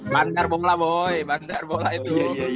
bandar bola boy bandar bola itu